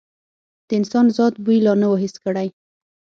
د انسان ذات بوی لا نه و حس کړی.